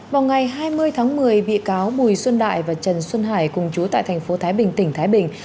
vào ngày hai mươi tháng một mươi bị cáo bùi xuân đại và trần xuân hải cùng chú tại thành phố thái bình tỉnh thái bình